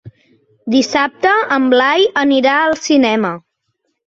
Dissabte en Blai anirà al cinema.